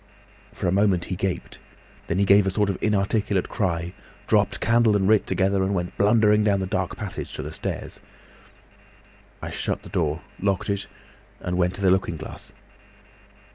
"For a moment he gaped. Then he gave a sort of inarticulate cry, dropped candle and writ together, and went blundering down the dark passage to the stairs. I shut the door, locked it, and went to the looking glass.